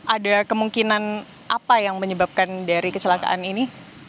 ada kemungkinan apa yang menyebabkan dari kecelakaan ini